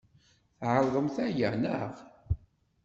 Tɛerḍemt aya, naɣ?